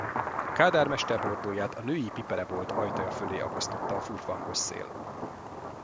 A kádármester hordóját a női piperebolt ajtaja fölé akasztotta a furfangos szél.